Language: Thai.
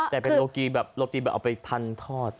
แต่เป็นโลกีแบบโรตีแบบเอาไปพันทอด